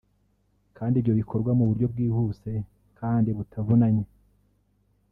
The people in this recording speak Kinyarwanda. kandi ibyo bikorwa mu buryo bwihuse kandi butavunanye